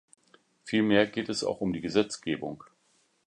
Vielmehr geht es auch um die Gesetzgebung.